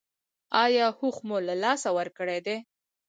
ایا هوښ مو له لاسه ورکړی دی؟